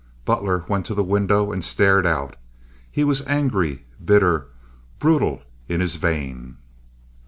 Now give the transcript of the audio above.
Butler went to the window and stared out. He was angry, bitter, brutal in his vein.